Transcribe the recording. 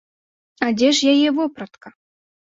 А дзе ж яе вопратка?